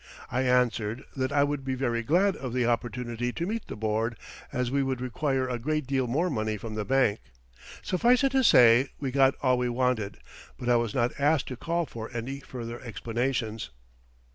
I answered that I would be very glad of the opportunity to meet the board, as we would require a great deal more money from the bank. Suffice it to say, we got all we wanted, but I was not asked to call for any further explanations.